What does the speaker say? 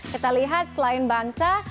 kita lihat selain bangsa